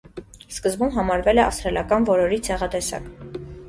Սկզբում համարվել է ավստրալիական որորի ցեղատեսակ։